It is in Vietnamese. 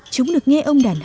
chúng được nghe ông đàn hát